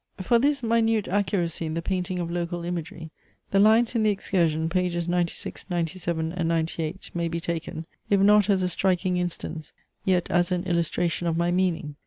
For this minute accuracy in the painting of local imagery, the lines in THE EXCURSION, pp. 96, 97, and 98, may be taken, if not as a striking instance, yet as an illustration of my meaning.